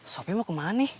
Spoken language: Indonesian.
sopi mau kemana nih